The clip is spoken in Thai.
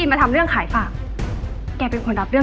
ไม่มีการเปลี่ยน